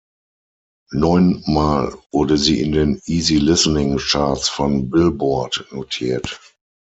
Neun Mal wurde sie in den Easy-Listening-Charts von Billboard notiert.